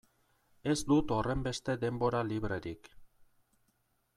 Ez dut horrenbeste denbora librerik.